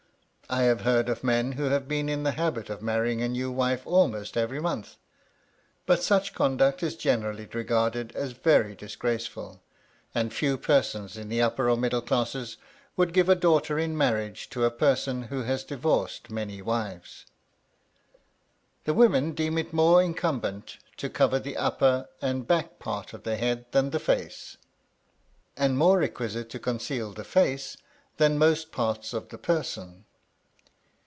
"I have heard of men who have been in the habit of marrying a new wife almost every month." But such conduct is generally regarded as very disgraceful; and few persons in the upper or middle classes would give a daughter in marriage to a person who had divorced many wives. The women deem it more incumbent to cover the upper and back part of the head than the face; and more requisite to conceal the face than most parts of the person.